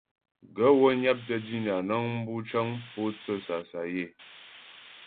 Gaə̂ wə́ nyaptə́ dínà nəŋ bu cəŋ mpótsə́ sasayə́.